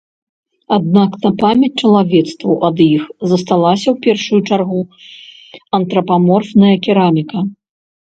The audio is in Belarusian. Аднак на памяць чалавецтву ад іх засталася ў першую чаргу антрапаморфная кераміка.